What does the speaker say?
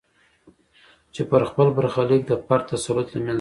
چې پر خپل برخلیک د فرد تسلط له منځه وړي.